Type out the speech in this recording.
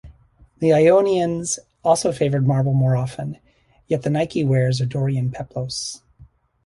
The Ionians also favoured marble more often, yet the Nike wears a Dorian peplos.